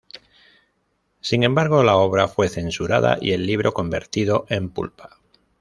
Sin embargo, la obra fue censurada y el libro, convertido en pulpa.